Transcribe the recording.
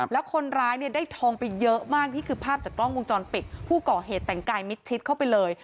แล้วคนร้ายเนี่ยได้ทองไปเยอะมากนี่คือภาพจากกล้องวงจรปิดผู้ก่อเหตุแต่งกายมิดชิดเข้าไปเลย